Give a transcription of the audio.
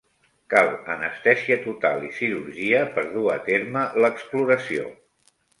Cal anestèsia total i cirurgia per dur a terme l'exploració.